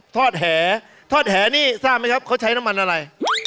ทอดแหทอดแหนี่ทราบไหมครับเขาใช้น้ำมันอะไร